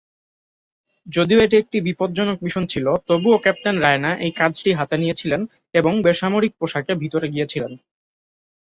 যদিও এটি একটি বিপজ্জনক মিশন ছিল, তবুও ক্যাপ্টেন রায়না এই কাজটি হাতে নিয়েছিলেন এবং বেসামরিক পোশাকে ভিতরে গিয়েছিলেন।